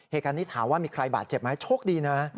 เหตุการณ์นี้ถามว่ามีใครบาดเจ็บไหมโชคดีนะ